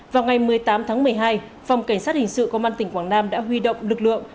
vào ngày một mươi tám tháng một mươi hai phòng cảnh sát hình sự công an tỉnh quảng nam đã huy động lực lượng